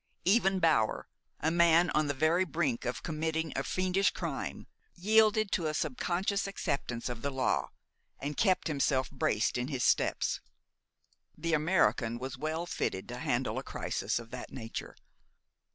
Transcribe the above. Even Bower, a man on the very brink of committing a fiendish crime, yielded to a subconscious acceptance of the law, and kept himself braced in his steps. The American was well fitted to handle a crisis of that nature.